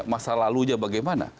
masa lalu saja bagaimana